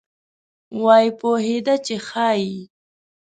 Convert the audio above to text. وایي پوهېده چې ښایي.